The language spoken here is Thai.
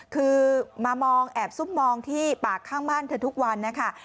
คือมามองแอบซุ่มมองที่ปากข้างบ้านเธอทุกวันนะคะ